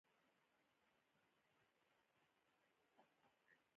ازادي راډیو د د انتخاباتو بهیر په اړه د ټولنې د ځواب ارزونه کړې.